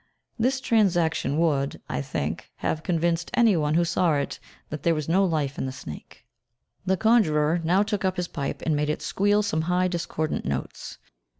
This transaction would, I think, have convinced any one who saw it that there was no life in the snake. The conjurer now took up his pipe, and made it squeal some high discordant notes.